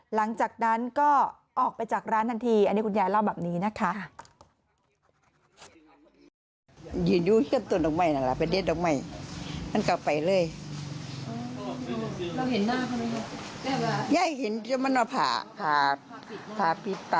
หลังจากนั้นก็ออกไปจากร้านทันทีอันนี้คุณยายเล่าแบบนี้นะคะ